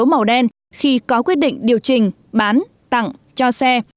và số màu đen khi có quyết định điều chỉnh bán tặng cho xe